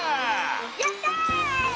やった！